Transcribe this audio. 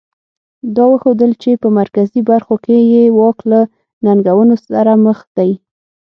دا وښودل چې په مرکزي برخو کې یې واک له ننګونو سره مخ دی.